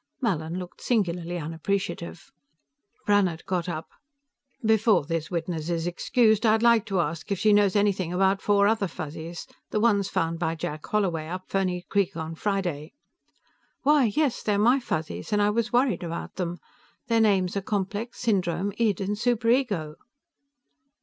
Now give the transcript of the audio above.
Mallin looked singularly unappreciative. Brannhard got up. "Before this witness is excused, I'd like to ask if she knows anything about four other Fuzzies, the ones found by Jack Holloway up Ferny Creek on Friday." "Why, yes; they're my Fuzzies, and I was worried about them. Their names are Complex, Syndrome, Id and Superego."